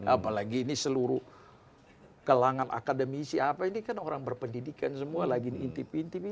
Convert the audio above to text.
apalagi ini seluruh kelangan akademisi apa ini kan orang berpendidikan semua lagi ini intip intip ini